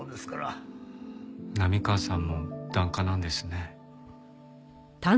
波川さんも檀家なんですね。